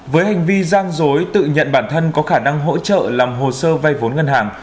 với hành vi giang dối tự nhận bản thân có khả năng hỗ trợ làm hồ sơ vay vốn ngân hàng